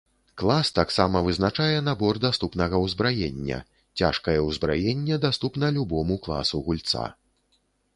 Клас таксама вызначае набор даступнага ўзбраення, цяжкае ўзбраенне даступна любому класу гульца.